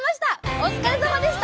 お疲れさまでした！